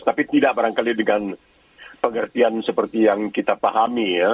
tapi tidak barangkali dengan pengertian seperti yang kita pahami ya